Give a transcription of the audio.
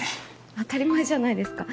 当たり前じゃないですか。